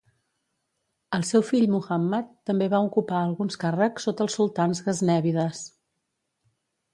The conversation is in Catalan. El seu fill Muhammad també va ocupar alguns càrrecs sota els sultans gaznèvides.